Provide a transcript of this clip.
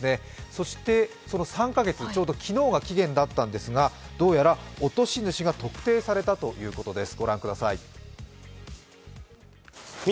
そして、その３か月、ちょうど昨日が期限だったんですがどうやら落とし主が特定されたということです。